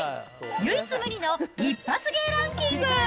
唯一無二の一発芸ランキング。